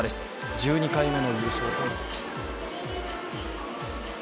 １２回目の優勝となりました。